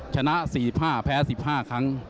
ชนะ๔๕แพ้๑๕ครั้ง